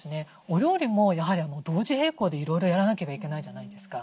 お料理もやはり同時並行でいろいろやらなければいけないじゃないですか。